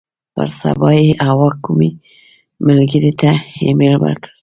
پر سبا یې حوا کومې ملګرې ته ایمیل وکړ.